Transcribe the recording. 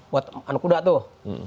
buat anak kuda tuh